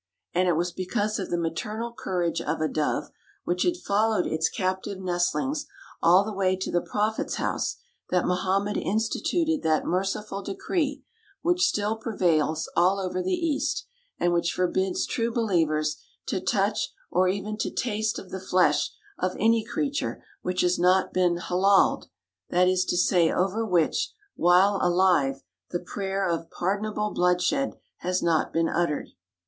And it was because of the maternal courage of a dove which had followed its captive nestlings all the way to the prophet's house that Mohammed instituted that merciful decree which still prevails all over the East, and which forbids true believers to touch or even to taste of the flesh of any creature which has not been "hallalled"; that is to say, over which, while alive, the prayer of pardonable bloodshed has not been uttered.